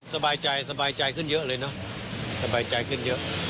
สบายสบายใจขึ้นเยอะเลยเนอะสบายใจขึ้นเยอะ